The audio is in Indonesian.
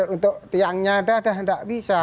untuk tiangnya dah nggak bisa